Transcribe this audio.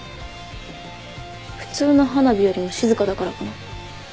普通の花火よりも静かだからかな？